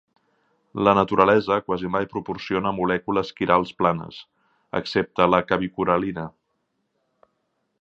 La naturalesa quasi mai proporciona molècules quirals planes, excepte la cavicularina.